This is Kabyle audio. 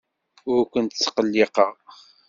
Ur kent-ttqelliqeɣ.